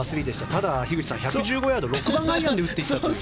ただ、樋口さん１１５ヤード６番アイアンで打っていったという。